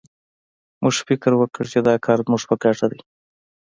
موږ فکر وکړ چې دا کار زموږ په ګټه دی